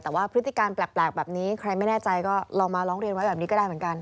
แต่ว่าพฤติการแปลกแบบนี้ใครไม่แน่ใจก็ลองมาร้องเรียนไว้แบบนี้ก็ได้เหมือนกัน